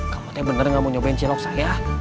kamu deh bener gak mau nyobain cilok saya